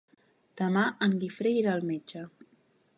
Demà en Guifré irà al metge.